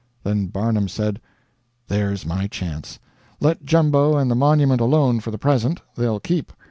Then Barnum said: "There's my chance. Let Jumbo and the Monument alone for the present they'll keep.